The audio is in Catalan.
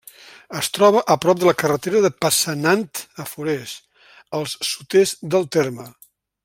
Es troba a prop de la carretera de Passanant a Forès, al sud-est del terme.